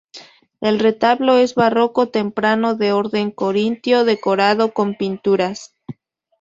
El retablo es barroco temprano de orden corintio decorado con pinturas.